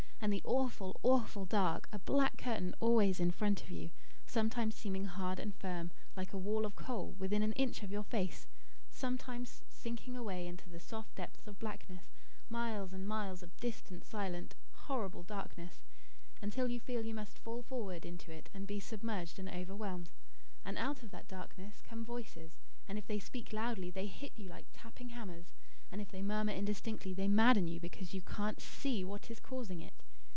And the awful, awful dark a black curtain always in front of you, sometimes seeming hard and firm, like a wall of coal, within an inch of your face; sometimes sinking away into soft depths of blackness miles and miles of distant, silent, horrible darkness; until you feel you must fall forward into it and be submerged and overwhelmed. And out of that darkness come voices. And if they speak loudly, they hit you like tapping hammers; and if they murmur indistinctly, they madden you because you can't SEE what is causing it.